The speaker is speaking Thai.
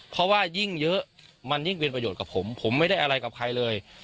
เพราะว่ายิ่งเยอะมันยิ่งเป็นประโยชน์กับผมผมไม่ได้อะไรกับใครเลย